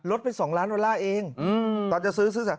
ไป๒ล้านดอลลาร์เองตอนจะซื้อซื้อจาก